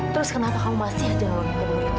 terus kenapa kamu masih jawab ke ibu itu